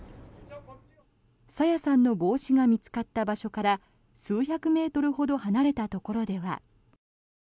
朝芽さんの帽子が見つかった場所から数百メートルほど離れたところでは。